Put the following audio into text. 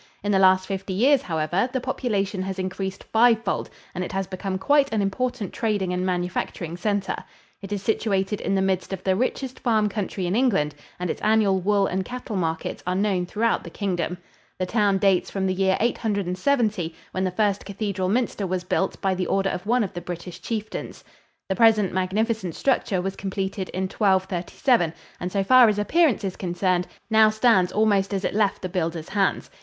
In the last fifty years, however, the population has increased five fold and it has become quite on important trading and manufacturing center. It is situated in the midst of the richest farm country in England and its annual wool and cattle markets are known throughout the Kingdom. The town dates from the year 870, when the first cathedral minster was built by the order of one of the British chieftains. The present magnificent structure was completed in 1237, and so far as appearance is concerned, now stands almost as it left the builder's hands.